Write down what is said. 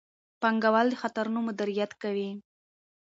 پانګوال د خطرونو مدیریت کوي.